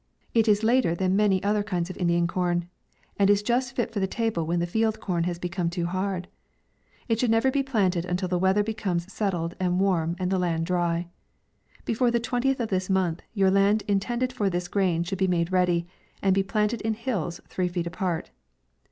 It is later than many other kinds of Indian com, and is just fit for the table when the field corn has become too hard. It should never be planted until the weather becomes settled and warm, and the land dry. Before the 20th of this month, your land intended for this grain should be made ready, and be planted in hills three feet apart.